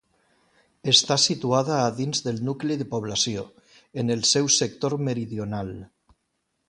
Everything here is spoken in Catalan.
Està situada a dins del nucli de població, en el seu sector meridional.